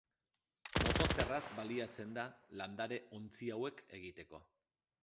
Motozerraz baliatzen da landare-ontzi hauek egiteko.